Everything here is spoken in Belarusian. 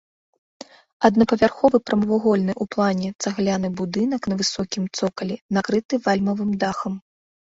Аднапавярховы прамавугольны ў плане цагляны будынак на высокім цокалі, накрыты вальмавым дахам.